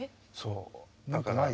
何かない？